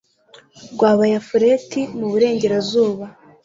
rw'abayafuleti mu burengerazuba